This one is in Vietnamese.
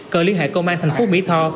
cờ liên hệ công an thành phố mỹ tho